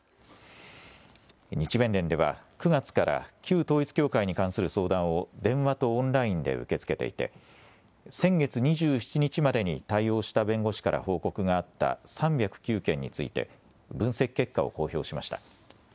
日弁連では９月から旧統一教会に関する相談を電話とオンラインで受け付けていて先月２７日までに対応した弁護士から報告があった３０９件について分析結果を公表しました。